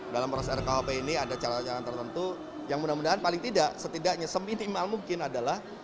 dalam proses rkuhp ini ada cara cara tertentu yang mudah mudahan paling tidak setidaknya seminimal mungkin adalah